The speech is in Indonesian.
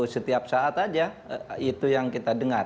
setiap saat aja itu yang kita dengar